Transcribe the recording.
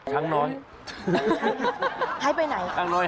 หายไปไหน